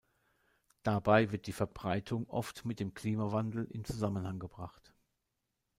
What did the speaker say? Dabei wird die Verbreitung oft mit dem Klimawandel in Zusammenhang gebracht.